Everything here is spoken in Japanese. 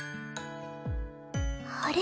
あれ？